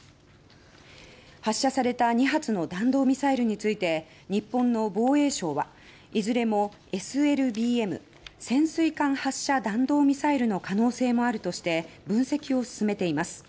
発射された２発の弾道ミサイルについて日本の防衛省はいずれもＳＬＢＭ・潜水艦発射弾道ミサイルの可能性もあるとして分析を進めています。